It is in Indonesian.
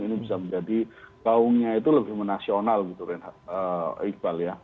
ini bisa menjadi gaungnya itu lebih menasional gitu iqbal ya